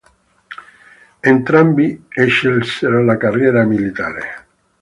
Entrambi scelsero la carriera militare.